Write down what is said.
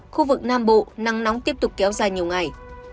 khu vực nam bộ nắng nóng tiếp tục kéo dài nhiều ngày